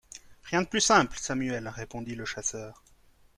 Rien de plus simple, Samuel, répondit le chasseur.